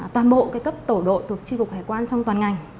toàn bộ cấp tổ đội thuộc tri cục hải quan trong toàn ngành